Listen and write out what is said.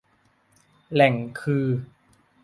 แหล่งคือ